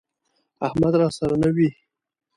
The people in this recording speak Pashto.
احمد راسره نه وي،